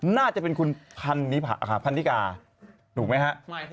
น่าจะเป็นคุณพันนิกาถูกไหมฮะ